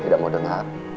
oke kalau begitu om